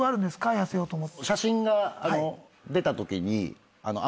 痩せようと思った。